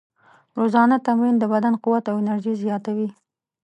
روزانه تمرین د بدن قوت او انرژي زیاتوي.